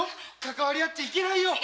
かかわりあっちゃいけないよ。